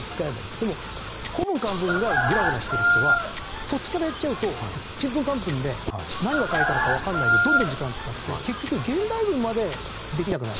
でも古文・漢文がグラグラしてる人はそっちからやっちゃうとチンプンカンプンで何が書いてあるかわからないでどんどん時間使って結局現代文までできなくなる。